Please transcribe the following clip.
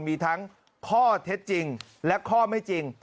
มีทั้งข้อเท็จจริงและข้อไม่จริง